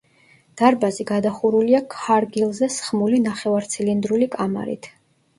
დარბაზი გადახურულია ქარგილზე სხმული ნახევარცილინდრული კამარით.